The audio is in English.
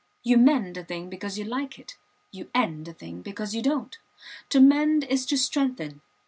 You mend a thing because you like it; you end a thing because you don't. To mend is to strengthen.